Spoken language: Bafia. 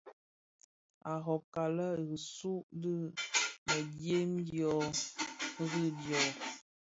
A robka lë risoo di mëdyëm dyô rì dyô.